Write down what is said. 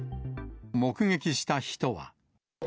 目撃した人は。